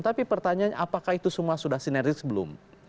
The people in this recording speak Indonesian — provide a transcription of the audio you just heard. tapi pertanyaannya apakah itu semua sudah sinergi sebelum